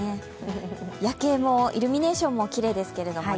夜景もイルミネーションもきれいですけどね